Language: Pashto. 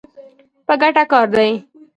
په ګټه کار دی.